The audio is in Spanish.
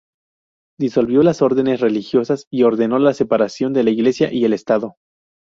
Disolvió las órdenes religiosas y ordenó la separación de la iglesia y el estado.